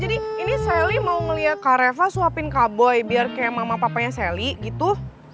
ya udah jadi ini sally mau ngeliat kak reva suapin kak boy biar kayak mama papanya sally gitu